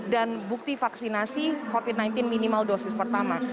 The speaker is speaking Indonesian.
dan bukti vaksinasi covid sembilan belas minimal dosis pertama